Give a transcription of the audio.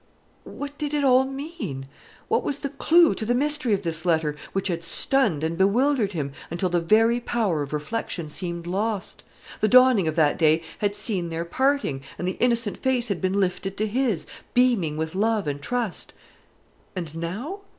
What did it all mean? What was the clue to the mystery of this letter, which had stunned and bewildered him, until the very power of reflection seemed lost? The dawning of that day had seen their parting, and the innocent face had been lifted to his, beaming with love and trust. And now